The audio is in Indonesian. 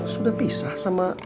sudah pisah sama